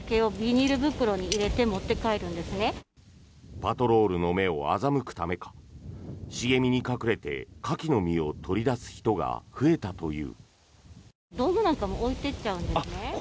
パトロールの目を欺くためか茂みに隠れてカキの身を取り出す人が増えたという。